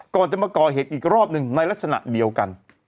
ก่อนจะมาก่อเหตุอีกรอบหนึ่งในลักษณะเดียวกัน